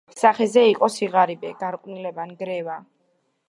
სახეზე იყო სიღარიბე, გარყვნილება, ნგრევა.